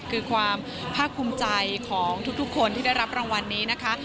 คือความภาคภูมิใจของทุกคนที่ได้รับรางวัลนี้นะคะ